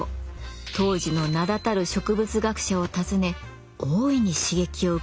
当時の名だたる植物学者を訪ね大いに刺激を受けます。